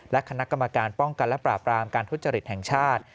และคณะกรรมการป้องกันและปราบรามการทุจริตแห่งชาติ